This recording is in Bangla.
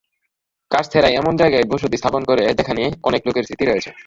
কার্সেরা এমন জায়গায় বসতি স্থাপন করে যেখানে অনেক লোকের স্মৃতি রয়েছে।